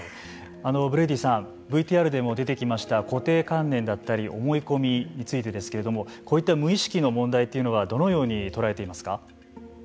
ブレイディさんＶＴＲでも出てきました固定観念だったり思い込みについてですけれどもこういった無意識の問題というのはどのように捉えていますか。